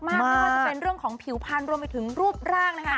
ไม่ว่าจะเป็นเรื่องของผิวพันธุ์รวมไปถึงรูปร่างนะคะ